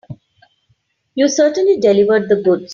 You certainly delivered the goods.